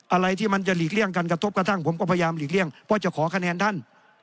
อะไรที่มันจะหลีกเลี่ยงกันกระทบกระทั่งผมก็พยายามหลีกเลี่ยงเพราะจะขอคะแนนท่าน